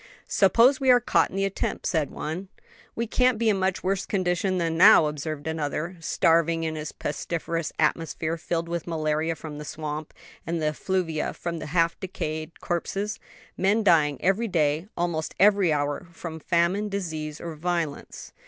"Suppose we are caught in the attempt," said one. "We can't be in much worse condition than now," observed another; "starving in this pestiferous atmosphere filled with the malaria from that swamp, and the effluvia from half decayed corpses; men dying every day, almost every hour, from famine, disease, or violence."